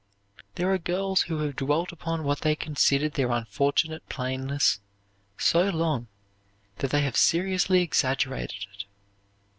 There are girls who have dwelt upon what they consider their unfortunate plainness so long that they have seriously exaggerated it.